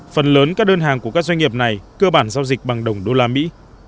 phần lớn các đơn hàng của các doanh nghiệp này cơ bản giao dịch bằng đồng đô la mỹ